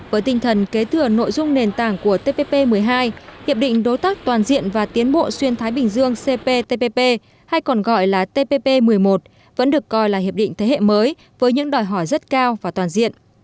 với tinh thần kế thừa nội dung nền tảng của tpp một mươi hai hiệp định đối tác toàn diện và tiến bộ xuyên thái bình dương cptpp hay còn gọi là tpp một mươi một vẫn được coi là hiệp định thế hệ mới với những đòi hỏi rất cao và toàn diện